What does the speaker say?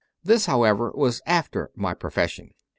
This, however, was after my profession.